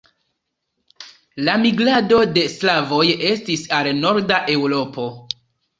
La migrado de slavoj estis al norda Eŭropo.